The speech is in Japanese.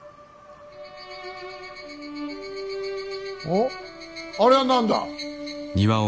おっあれは何だ。